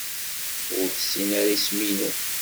Ur tessin ara isem-inu.